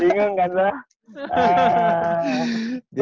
jadi istri ada dua nih berarti ya